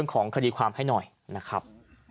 ของคดีความให้หน่อยนะครับ